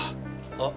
あっ。